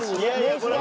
これは。